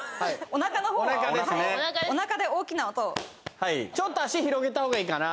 おなかで大きな音をはいちょっと足広げた方がいいかな